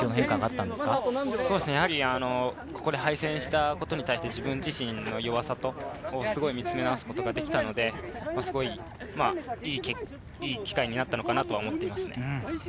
ここで敗戦したことに対して自分自身の弱さと見つめ直すことができたのでいい機会になったのかとは思います。